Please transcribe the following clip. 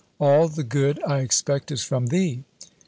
All the good I expect is from thee!"